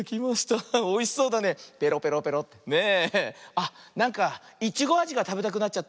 あっなんかイチゴあじがたべたくなっちゃった。